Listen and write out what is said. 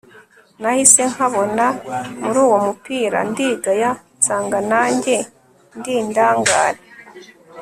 nahise nkabona muri uwo mupira ndigaya nsanga nanjye ndi indangare